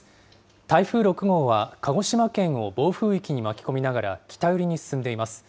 台風６号は鹿児島県を暴風域に巻き込みながら、北寄りに進んでいます。